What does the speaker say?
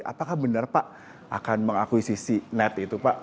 apakah benar pak akan mengakuisisi net itu pak